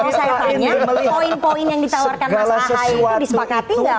yang mau saya tanya poin poin yang ditawarkan mas ahayi itu disepakati tidak oleh nasdem